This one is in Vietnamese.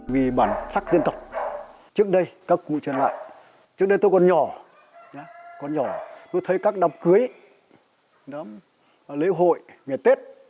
vì bản sắc dân tộc trước đây các cụ trở lại trước đây tôi còn nhỏ tôi thấy các đọc cưới lễ hội ngày tết